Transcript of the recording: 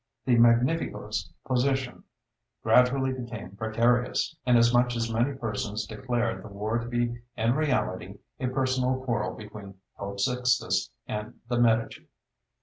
The Magnifico's position gradually became precarious, inasmuch as many persons declared the war to be in reality a personal quarrel between Pope Sixtus and the Medici.